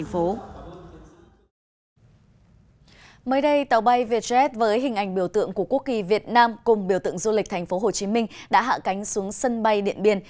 mới đây tàu bay vietjet với hình ảnh biểu tượng của quốc kỳ việt nam cùng biểu tượng du lịch tp hcm đã hạ cánh xuống sân bay điện biên